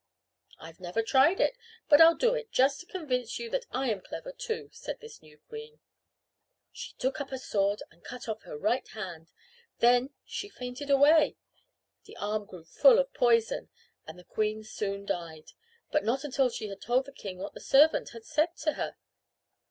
"I've never tried it, but I'll do it just to convince you that I am clever too," said this new queen. She took up a sword and cut off her right hand. Then she fainted away. The arm grew full of poison and the queen soon died, but not until she had told the king what the servant had said to her.